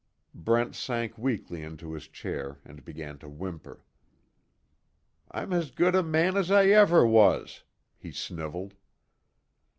Brent sank weakly into his chair and began to whimper: "I'm as good a man as I ever was," he sniveled.